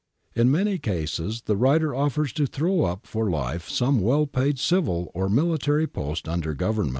^ In many cases the writer offers to throw up for life some well paid civil or military post under Governm.